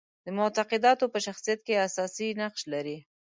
د معتقدانو په شخصیت کې اساسي نقش لري.